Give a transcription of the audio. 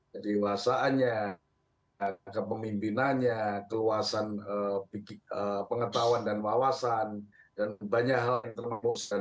jadi wawasannya kepemimpinannya keluasan pengetahuan dan wawasan dan banyak hal yang terlalu